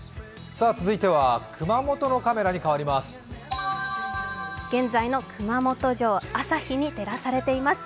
続いては熊本のカメラに変わります。